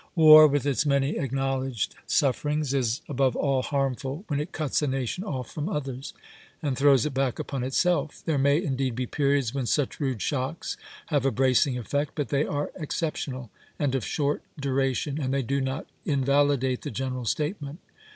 War, with its many acknowledged sufferings, is above all harmful when it cuts a nation off from others and throws it back upon itself. There may indeed be periods when such rude shocks have a bracing effect, but they are exceptional, and of short duration, and they do not invalidate the general statement.